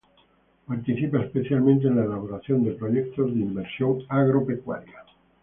Participa especialmente en la elaboración de proyectos de inversión agropecuaria.